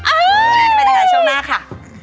อ้าวจะเป็นอะไรช่วงหน้าค่ะ